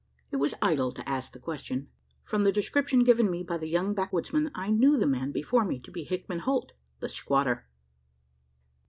It was idle to ask the question. From the description given me by the young backwoodsman, I knew the man before me to be Hickman Holt the squatter.